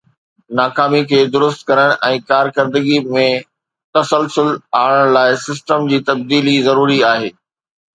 ناڪامين کي درست ڪرڻ ۽ ڪارڪردگي ۾ تسلسل آڻڻ لاءِ سسٽم جي تبديلي ضروري آهي